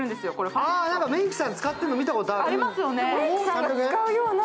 あ、メイクさんが使ってるの見たことある！